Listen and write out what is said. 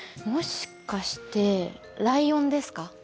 もしかしてライオンですか？